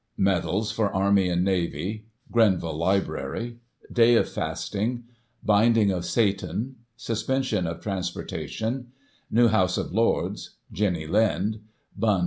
Medals for Army and Navy — Grenville library — Day of fastings" Binding of Satan" — Suspension of transportation — New House of Lords — ^Jenny Lind — Bunn V.